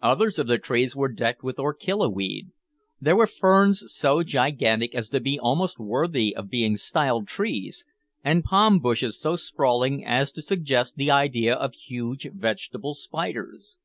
Others of the trees were decked with orchilla weed. There were ferns so gigantic as to be almost worthy of being styled trees, and palm bushes so sprawling as to suggest the idea of huge vegetable spiders.